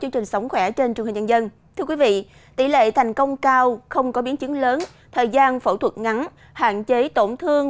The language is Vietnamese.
thưa quý vị tỷ lệ thành công cao không có biến chứng lớn thời gian phẫu thuật ngắn hạn chế tổn thương